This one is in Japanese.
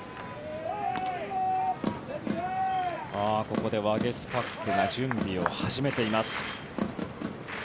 ここでワゲスパックが準備を始めています。